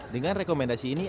dengan rekomendasi ini